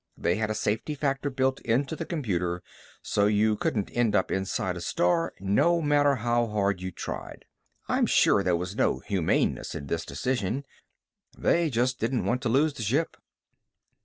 They had a safety factor built into the computer so you couldn't end up inside a star no matter how hard you tried. I'm sure there was no humaneness in this decision. They just didn't want to lose the ship.